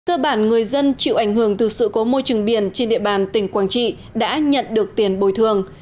cơ bản người dân chịu ảnh hưởng từ sự cố môi trường biển trên địa bàn tỉnh quảng trị đã nhận được tiền bồi thường